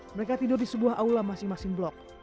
mereka tidur di sebuah aula masing masing blok